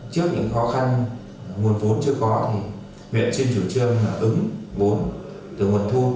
trước những khó khăn nguồn vốn chưa có huyện trên chủ trương ứng vốn từ nguồn thu